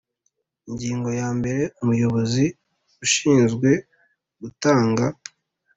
Ingingo ya mbere Umuyobozi ushinzwe gutanga